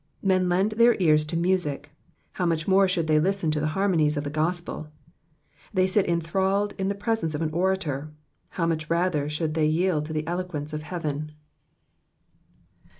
Men lend their ears to music, how much more then should they listen to the harmonies of the gospel ; they sit enthralled in the presence of an orator, how much rather should they yield to the eloquence of heaven.